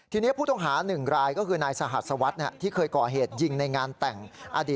ทีนี้ผู้ต้องหา๑รายก็คือนายสหัสวัสดิ์